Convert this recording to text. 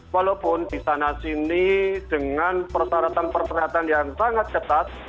walaupun di sana sini dengan persyaratan persyaratan yang sangat ketat